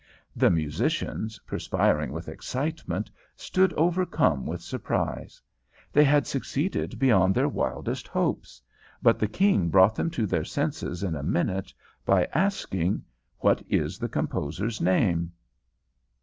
The musicians, perspiring with excitement, stood overcome with surprise. They had succeeded beyond their wildest hopes, but the King brought them to their senses in a minute by asking: "What is the composer's name?"